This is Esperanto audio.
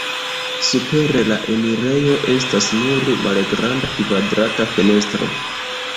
Super la enirejo estas nur malgranda kvadrata fenestro.